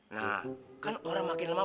nah kan orang makin lama